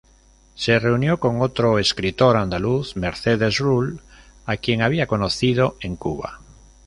Se reunió con otro escritor andaluz, Mercedes Rull, a quien había conocido en Cuba.